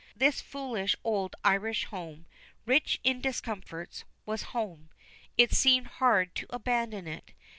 This foolish old Irish home rich in discomforts was home. It seemed hard to abandon it.